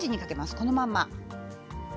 このまんま。